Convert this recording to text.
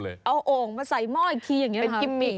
ซวยอพเอาโอ๊งมาใส่มอดอีกที